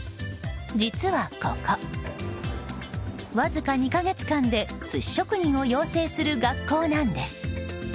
実はここ、わずか２か月間で寿司職人を養成する学校なんです。